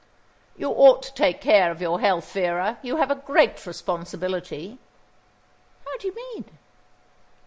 "You ought to take care of your health, Vera. You have a great responsibility." "How do you mean?"